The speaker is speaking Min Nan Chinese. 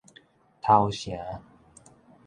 頭城